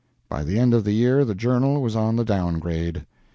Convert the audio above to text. By the end of the year the "Journal" was on the down grade.